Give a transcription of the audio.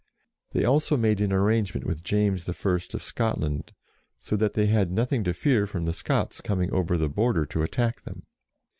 They also made an arrangement with James I. of Scotland, so that they had nothing to fear from the Scots coming over 64 JOAN OF ARC the Border to attack them.